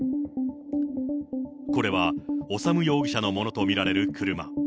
これは修容疑者のものと見られる車。